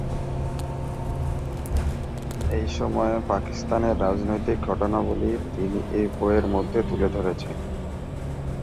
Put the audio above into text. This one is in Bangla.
এই সময়ে পাকিস্তানের রাজনৈতিক ঘটনাবলী তিনি এই বইয়ে তুলে ধরেছেন।